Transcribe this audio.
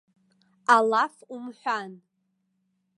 Алаф умҳәан!